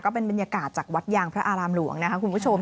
เป็นบรรยากาศจากวัดยางพระอารามหลวงนะคะคุณผู้ชม